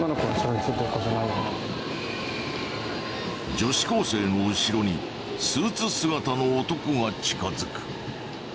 女子高生の後ろにスーツ姿の男が近づく。